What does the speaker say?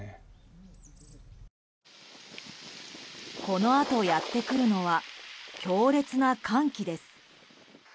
このあとやってくるのは強烈な寒気です。